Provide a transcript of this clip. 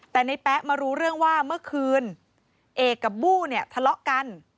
แต่ในแป๊ะมารู้เรื่องว่าเมื่อคืนเอกกับบู้เนี่ยทะเลาะกัน